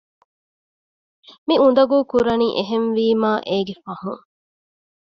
މި އުނދަގޫކުރަނީ އެހެންވީމާ އޭގެ ފަހުން